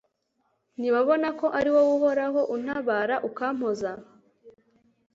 nibabona ko ari wowe, uhoraho, untabara ukampoza